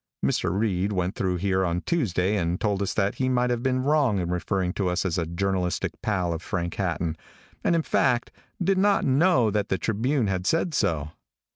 Mr. Reid went through here on Tuesday, and told us that he might have been wrong in referring to us as a journalistic pal of Frank Hatton, and in fact did not know that the Tribune had said so.